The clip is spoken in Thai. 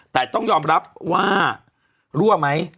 แต่ต้องยอมรับว่ารั่วไหม